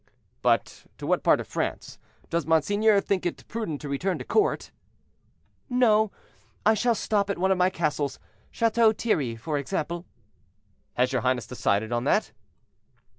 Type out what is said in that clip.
"But to what part of France. Does monseigneur think it prudent to return to court?" "No; I shall stop at one of my castles, Chateau Thierry, for example." "Has your highness decided on that?"